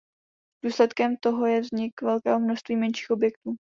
Důsledkem toho je vznik velkého množství menších objektů.